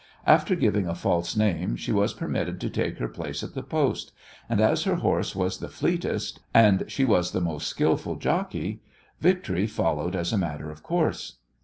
After giving a false name she was permitted to take her place at the post, and as her horse was the fleetest, and she was the most skilful jockey, victory followed as a matter of course.